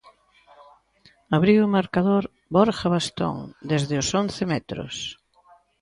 Abriu o marcador Borja Bastón desde os once metros.